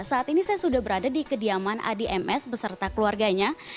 saat ini saya sudah berada di kediaman adi ms beserta keluarganya